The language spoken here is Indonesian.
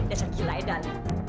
dasar gila edan